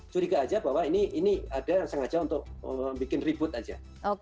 curiga aja bahwa ini ada sengaja untuk membuat ribut aja